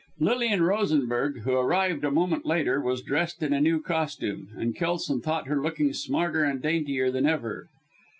Lilian Rosenberg, who arrived a moment later, was dressed in a new costume, and Kelson thought her looking smarter and daintier than ever.